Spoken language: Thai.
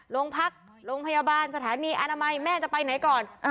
โรงพักโรงพยาบาลสถานีอนามัยแม่จะไปไหนก่อน